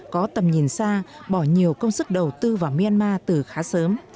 có tầm nhìn xa bỏ nhiều công sức đầu tư vào myanmar từ khá sớm